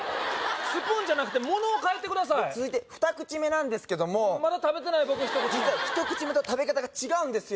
スプーンじゃなくてものを替えてください続いて二口目なんですけどもまだ食べてない僕一口も実は一口目と食べ方が違うんですよ